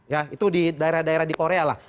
ya itu di daerah daerah di korea lah